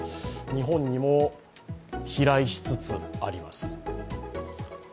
日本にも飛来しつつあります。